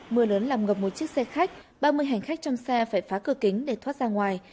mưa lớn làm ngập một chiếc xe khách ba mươi hành khách trong xe phải phá cửa kính để thoát ra ngoài